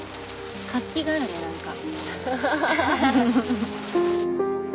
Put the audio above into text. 活気があるね何か。